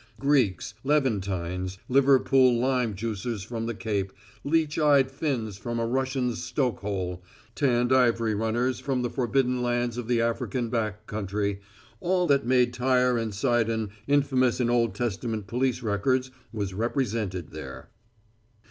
Greeks, Levantines, Liverpool lime juicers from the Cape, leech eyed Finns from a Russian's stoke hole, tanned ivory runners from the forbidden lands of the African back country all that made Tyre and Sidon infamous in Old Testament police records was represented there.